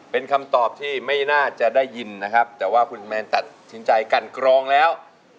เป็นคำตอบที่ไม่น่าจะได้ยินนะครับแต่ว่าคุณแมนตัดสินใจกันกรองแล้ว